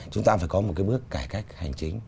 chúng ta phải có một cái bước cải cách hành chính